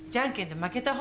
負けた方。